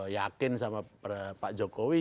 yakin sama pak jokowi